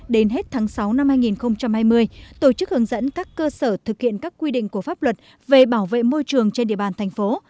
đến hết tháng sáu năm hai nghìn hai mươi tổ chức hướng dẫn các cơ sở thực hiện các quy định của pháp luật về bảo vệ môi trường trên địa bàn thành phố